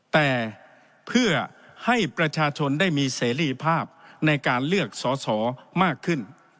แต่เพื่อให้ประชาชนได้มีเสรีภาพในการเลือกสอสอมากขึ้น